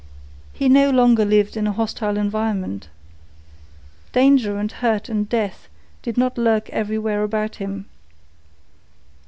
He no longer lived in a hostile environment. Danger and hurt and death did not lurk everywhere about him.